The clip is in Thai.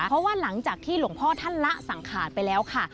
เพราะว่าหลังจากที่หลวงพ่อท่านละสังขารไปแล้วค่ะ